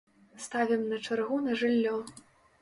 Ставім на чаргу на жыллё.